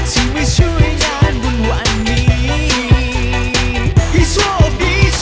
สวัสดีครับ